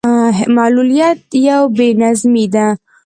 معلوليت يو بې نظمي ده.